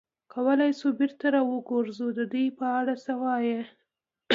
کولای شو بېرته را وګرځو، د دوی په اړه څه وایې؟